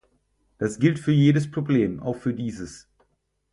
Das gilt für jedes Problem, auch für dieses.